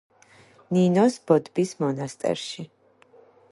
ნინოს ბოდბის მონასტერში.